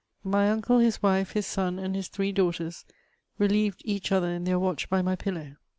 My nnde, his wife, his son, and his three dangfaten, lelieyed eac» other in their watch by my pillow.